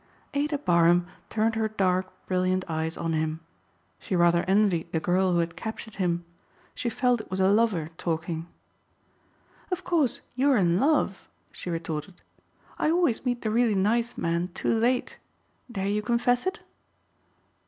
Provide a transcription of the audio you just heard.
Ada Barham turned her dark brilliant eyes on him. She rather envied the girl who had captured him. She felt it was a lover talking. "Of course you are in love," she retorted. "I always meet the really nice men too late. Dare you confess it?"